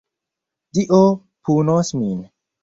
Dio punos min!